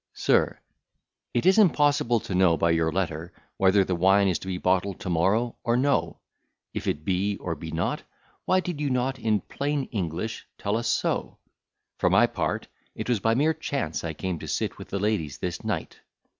SIR, It is impossible to know by your letter whether the wine is to be bottled to morrow, or no. If it be, or be not, why did not you in plain English tell us so? For my part, it was by mere chance I came to sit with the ladies this night.